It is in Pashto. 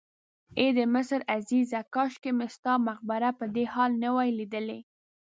ای د مصر عزیزه کاشکې مې ستا مقبره په دې حال نه وای لیدلې.